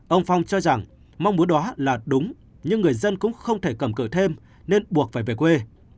ông phong cho rằng mong muốn đó là đúng nhưng người dân cũng không thể cầm cự thêm nên buộc phải về quê